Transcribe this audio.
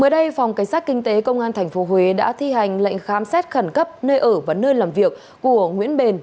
mới đây phòng cảnh sát kinh tế công an tp huế đã thi hành lệnh khám xét khẩn cấp nơi ở và nơi làm việc của nguyễn bền